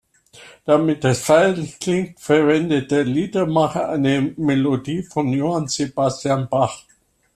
Damit es feierlich klingt verwendet der Liedermacher eine Melodie von Johann Sebastian Bach.